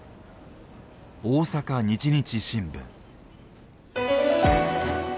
大阪日日新聞。